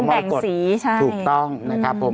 มันเหมือนแบ่งสีถูกต้องนะครับผม